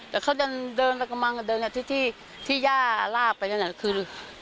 แต่เขาเดินละกำลังเดินที่ย่าลาบไปนั่นน่ะคือ